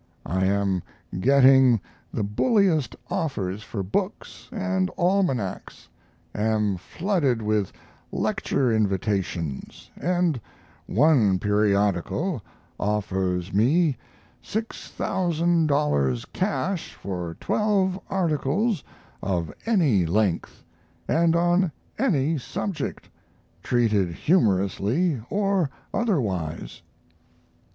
I am getting the bulliest offers for books and almanacs; am flooded with lecture invitations, and one periodical offers me $6,000 cash for twelve articles of any length, and on any subject, treated humorously or otherwise.